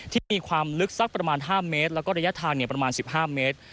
ที่มีความลึกสักประมาณ๕เมตรแล้วก็ระยะทางประมาณ๑๕เมตร